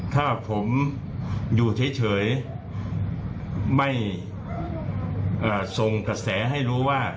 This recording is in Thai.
ถ้าผมอยู่เฉยไม่ส่งกระแสให้รู้ว่า